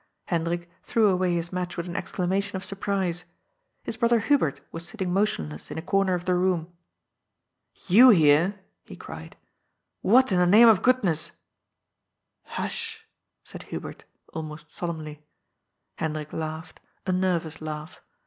Hendrik threw away his match with an exclamation of surprise. His brother Hubert was sitting motionless in a comer of the room. " You here I " he cried. " What in the name of good ness " ^^Hush/' said Hubert — almost solemnly. Hendrik laughed — a nervous laugh.